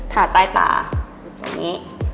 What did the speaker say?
ถาใต้ตาแบบนี้